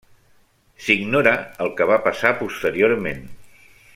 S'ignora el que va passar posteriorment.